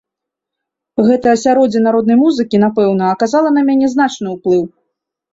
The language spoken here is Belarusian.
Гэта асяроддзе народнай музыкі, напэўна, аказала на мяне значны ўплыў.